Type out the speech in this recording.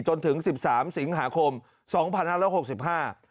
จนถึงสิบสามสิงหาคมสองพันห้าร้อยหกสิบห้า